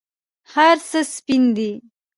هرڅه سپین دي